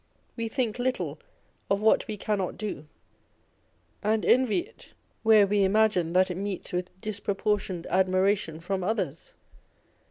We think little of what we cannot do, and envy it where we imagine that it meets with disproportioned admiration from others.